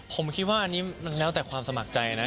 ผมคิดว่าอันนี้มันแล้วแต่ความสมัครใจนะ